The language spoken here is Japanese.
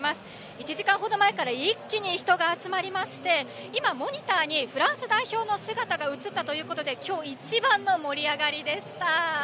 １時間程前から一気に人が集まりまして今、モニターにフランス代表の姿が映ったということで今日一番の盛り上がりでした。